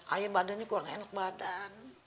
air badannya kurang enak badan